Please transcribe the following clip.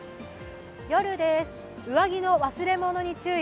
夜です、上着の忘れ物に注意。